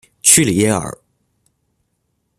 屈里耶尔。